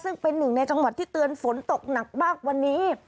ซึ่งเป็นหนึ่งในจังหวัดที่เตือนฝนตกหนักมากวันนี้